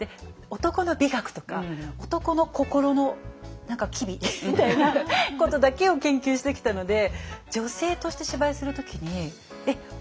男の美学とか男の心の機微みたいなことだけを研究してきたので女性として芝居をする時にえっ